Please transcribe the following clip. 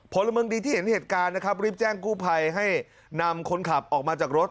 พลเมืองดีที่เห็นเหตุการณ์นะครับรีบแจ้งกู้ภัยให้นำคนขับออกมาจากรถ